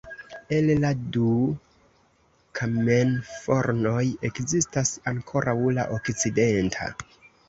El la du kamenfornoj ekzistas ankoraŭ la okcidenta.